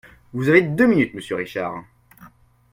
Vous avez deux minutes, monsieur Richard...